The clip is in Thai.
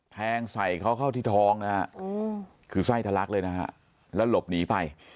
แทงใส่เขาเข้าที่ท้องนะฮะคือไส้ทะลักเลยนะฮะแล้วหลบหนีไป